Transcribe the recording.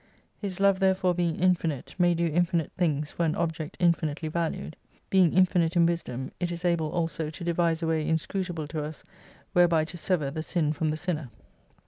His Love therefore being infinite, may do infinite things for an object infinitely valued. Being infinite in Wisdom, it is able also to devise a way inscrut able to us, whereby to sever the sin from the sinner